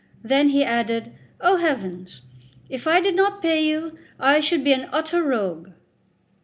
Then he added: "Oh heavens! if I did not pay you, I should be an utter rogue."